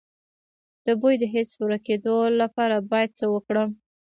د بوی د حس د ورکیدو لپاره باید څه وکړم؟